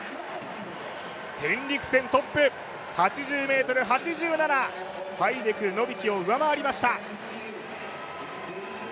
ヘンリクセントップ、８０ｍ８７、ファイデク、ノビキを上回りました